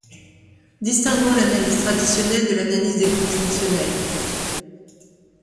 Distinguons l'analyse traditionnelle de l'analyse des groupes fonctionnels.